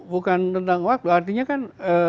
bukan tentang waktu artinya kan